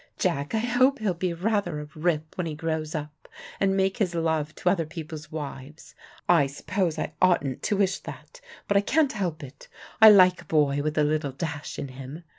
Jack, I hope he'll be rather a rip when he grows up and make his love to other people's wives. I suppose I oughtn't to wish that, but I can't help it. I like a boy with a little dash in him.